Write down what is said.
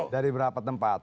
dari berapa tempat